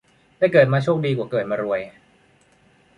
ได้เกิดมาโชคดีกว่าเกิดมารวย